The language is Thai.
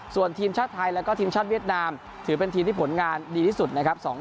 ส่วนทีมชาติไทยแล้วก็ทีมชาติเวียดนามถือเป็นทีมที่ผลงานดีที่สุดนะครับ